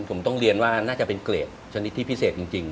ผมต้องเรียนว่าน่าจะเป็นเกรดชนิดที่พิเศษจริง